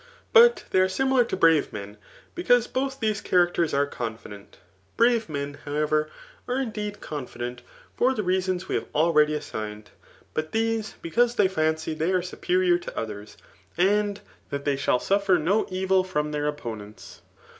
But they are similar to brave men, because both these characters are confident. Brave men, however, are indeed con fident, for the reasons we have already assigned ; but these, because they fancy they are superior to others, and that they shall suffer no evil from their oppoi^ients.